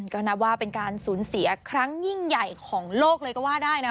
ก็นับว่าเป็นการสูญเสียครั้งยิ่งใหญ่ของโลกเลยก็ว่าได้นะ